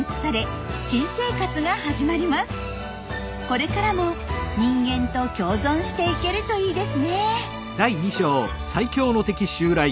これからも人間と共存していけるといいですね。